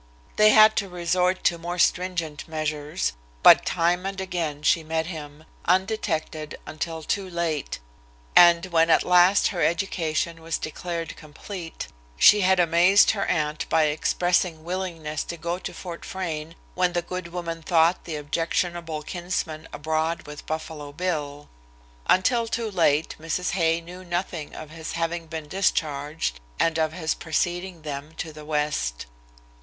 They had to resort to more stringent measures, but time and again she met him, undetected until too late, and when at last her education was declared complete, she had amazed her aunt by expressing willingness to go to Frayne, when the good woman thought the objectionable kinsman abroad with Buffalo Bill. Until too late, Mrs. Hay knew nothing of his having been discharged and of his preceding them to the West.